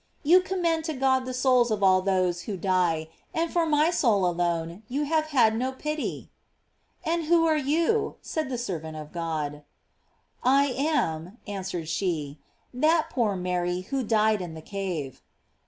you commend to God the souls of all those who die, and for my soul alone you have had no pity." "And who are you?" said the servant of God. "I am," answered she, "that poor Mary who died in the cave."